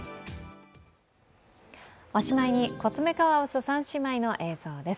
おしまいに、コツメカワウソ３姉妹の映像です。